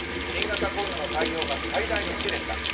新型コロナの対応が最大の試練だ。